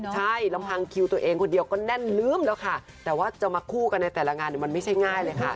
ใช่ลำพังคิวตัวเองคนเดียวก็แน่นลื้มแล้วค่ะแต่ว่าจะมาคู่กันในแต่ละงานมันไม่ใช่ง่ายเลยค่ะ